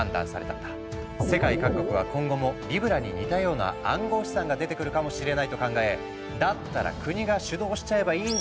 世界各国は今後もリブラに似たような暗号資産が出てくるかもしれないと考えだったら国が主導しちゃえばいいんじゃない？